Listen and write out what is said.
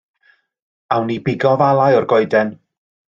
Awn ni i bigo afalau o'r goeden.